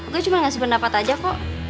gue cuma ngasih pendapat aja kok